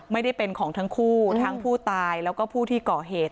ไม่ได้เป็นของทั้งคู่ทั้งผู้ตายแล้วก็ผู้ที่ก่อเหตุ